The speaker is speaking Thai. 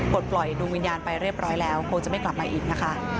ปล่อยดวงวิญญาณไปเรียบร้อยแล้วคงจะไม่กลับมาอีกนะคะ